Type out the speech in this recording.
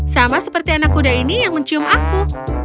sama seperti anak kuda ini yang mencium aku